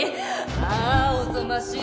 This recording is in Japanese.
ああおぞましい！